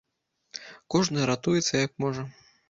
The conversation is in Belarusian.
Кожны ратуецца, як можа.